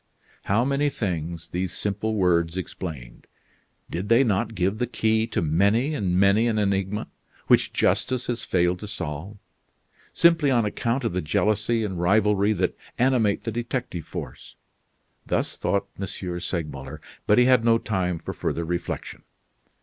How many things these simple words explained. Did they not give the key to many and many an enigma which justice has failed to solve, simply on account of the jealousy and rivalry that animate the detective force? Thus thought M. Segmuller, but he had no time for further reflection.